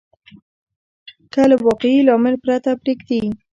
که له واقعي لامل پرته پرېږدي.